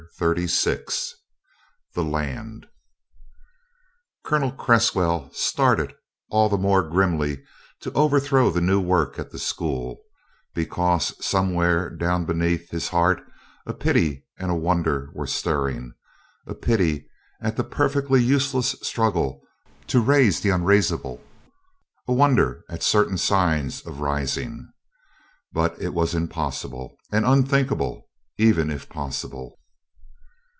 Thirty six THE LAND Colonel Cresswell started all the more grimly to overthrow the new work at the school because somewhere down beneath his heart a pity and a wonder were stirring; pity at the perfectly useless struggle to raise the unraisable, a wonder at certain signs of rising. But it was impossible and unthinkable, even if possible.